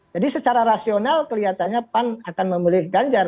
jadi secara rasional kelihatannya pan akan memiliki ganjar